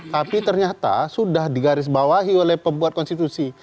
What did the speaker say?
tapi ternyata sudah digarisbawahi oleh pembuat konstitusi